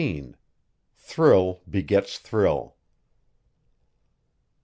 THRILL BEGETS THRILL.